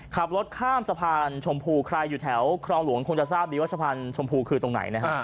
ขับรถข้ามสะพานชมพูใครอยู่แถวครองหลวงคงจะทราบดีว่าสะพานชมพูคือตรงไหนนะฮะ